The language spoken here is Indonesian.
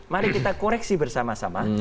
mari kita koreksi bersama sama